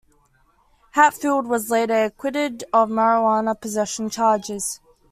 Hatfield was later acquitted of marijuana possession charges.